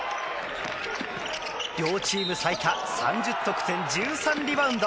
両チーム最多３０得点１３リバウンド。